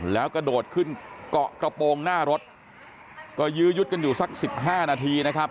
แล้วกระโดดขึ้นเกาะกระโปรงหน้ารถก็ยื้อยุดกันอยู่สักสิบห้านาทีนะครับ